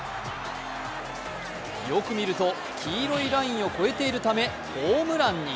よく見ると、黄色いラインを越えているためホームランに。